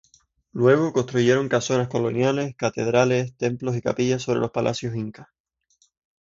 Luego, construyeron casonas coloniales, catedrales, templos y capillas sobre los palacios incas.